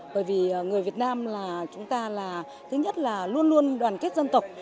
bởi vì người việt nam là chúng ta là thứ nhất là luôn luôn đoàn kết dân tộc